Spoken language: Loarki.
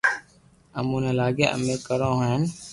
امو ني لاگي امي ڪرو ھين